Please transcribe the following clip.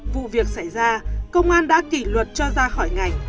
vụ việc xảy ra công an đã kỷ luật cho ra khỏi ngành